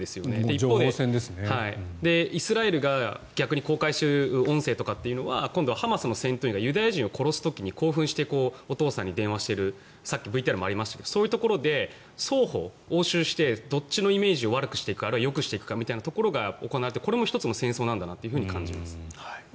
一方で、イスラエルが逆に公開している音声とかってのはハマスの戦闘員がユダヤ人を殺す時に興奮してお父さんに電話しているさっきＶＴＲにもありましたがそういうところで双方応酬してどっちのイメージを悪くしていく、あるいはよくしていくかみたいなところが行われて、これも１つの戦争なんだなと感じます。